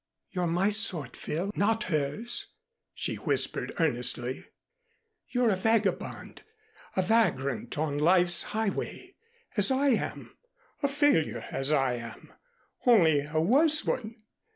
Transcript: "You're my sort, Phil, not hers," she whispered earnestly. "You're a vagabond a vagrant on life's highway, as I am a failure, as I am, only a worse one.